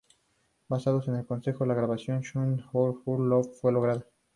Basados en su consejo, la grabación "Sunshine of Your Love" fue lograda.